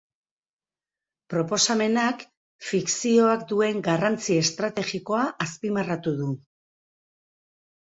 Proposamenak, fikzioak duen garrantzi estrategikoa azpimarratu du.